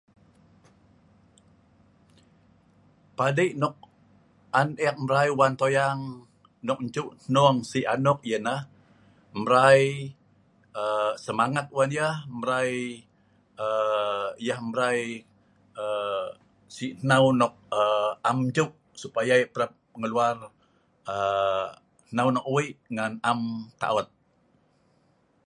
padei nok an eek brai wan toyang eek nok enjeu' si' anok yalah mbrai semangat wan yah, mbrai aaa yah mbrai aa si hnau nok am enjeu' supaya yah parap ngeluar hnau nok wei' ngan am ta'ot